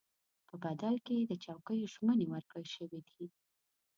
په بدل کې یې د چوکیو ژمنې ورکړل شوې دي.